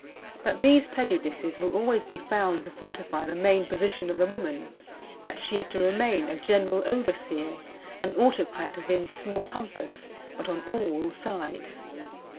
But these prejudices will always be found to fortify the main position of the woman, that she is to remain a general overseer, an autocrat within small compass but on all sides.